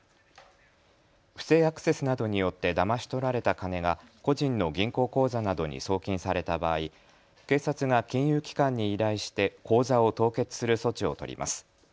不正アクセスなどによってだまし取られた金が個人の銀行口座などに送金された場合、警察が金融機関に依頼して口座を凍結する措置を取ります。